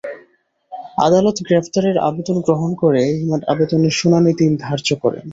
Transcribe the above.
আদালত গ্রেপ্তারের আবেদন গ্রহণ করে রিমান্ড আবেদনের শুনানির দিন ধার্য করেন।